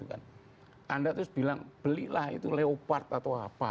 anda terus bilang belilah itu leopard atau apa